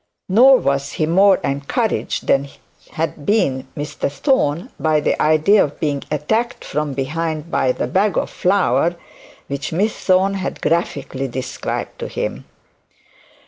Nor was he more encouraged than had been Mr Thorne, by the idea of being attacked from behind by the bag of flour which Miss Thorne had graphically described to him.